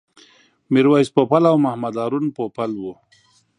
میرویس پوپل او محمد هارون پوپل و.